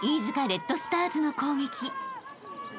レッドスターズの攻撃］